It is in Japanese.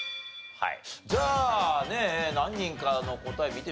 はい。